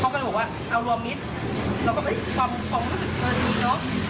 ผมก๋ดบอกว่าเอารวมมิตรเราก็เป็นความรู้สึกพันธุ์ดีเนอะ